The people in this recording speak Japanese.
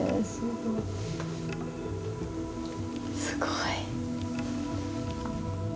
すごい。